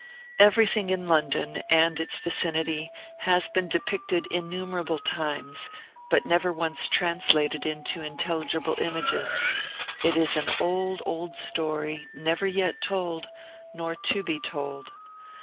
Everything in London and its vicinity has been depicted innumerable times, but never once translated into intelligible images; it is an "old, old story," never yet told, nor to be told.